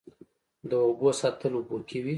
د اوبو سطحه تل افقي وي.